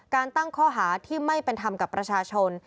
ตั้งข้อหาที่ไม่เป็นธรรมกับประชาชน